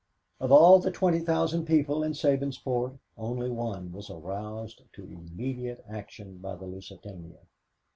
Of all the 20,000 people in Sabinsport, only one was aroused to immediate action by the Lusitania.